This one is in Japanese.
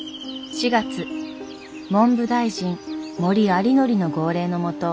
４月文部大臣森有礼の号令のもと